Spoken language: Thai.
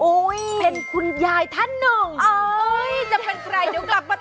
โอ๊ยเป็นคุณยายท่านหนึ่ง